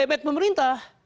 di buy back pemerintah